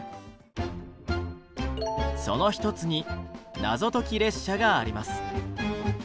その一つに「謎解列車」があります。